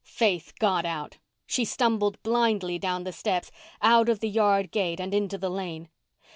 Faith got out. She stumbled blindly down the steps, out of the yard gate and into the lane.